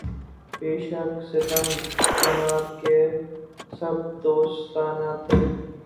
بے شک ستم جناب کے سب دوستانہ تھے